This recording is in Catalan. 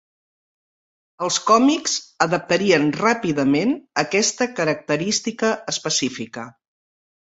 Els còmics adaptarien ràpidament aquesta característica específica.